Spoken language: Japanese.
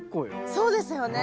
そうですよね。